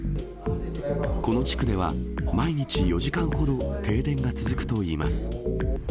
この地区では、毎日４時間ほど、停電が続くといいます。